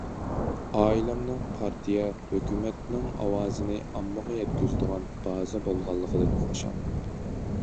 ئائىلەمنىڭ پارتىيە، ھۆكۈمەتنىڭ ئاۋازىنى ئاممىغا يەتكۈزىدىغان بازا بولغانلىقىدىن خۇشالمەن.